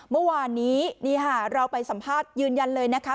เมื่อวานนี้นี่ค่ะเราไปสัมภาษณ์ยืนยันเลยนะคะ